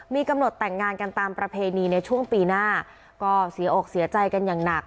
มีกำหนดแต่งงานกันตามประเพณีในช่วงปีหน้าก็เสียอกเสียใจกันอย่างหนัก